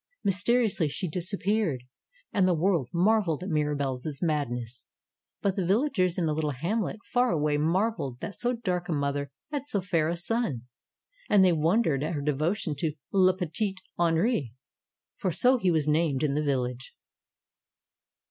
Mysteriously she disappeared. And the world marveled at Mirabelle's madness. But the villagers in a little hamlet far away mar velled that so dark a mother had so fair a son. And they wondered at her devotion to "Le Petit Henri"; for so he was named in the village.